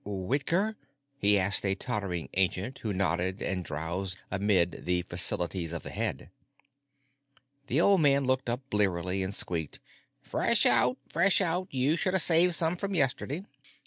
"Whitker?" he asked a tottering ancient who nodded and drowsed amid the facilities of the head. The old man looked up blearily and squeaked: "Fresh out. Fresh out. You should've saved some from yesterday."